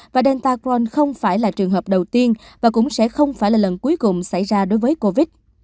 và delta cron không phải là trường hợp đầu tiên và cũng sẽ không phải là lần cuối cùng xảy ra đối với covid